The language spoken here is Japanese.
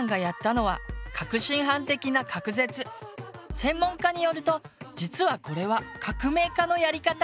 専門家によると実はこれは「革命家」のやり方。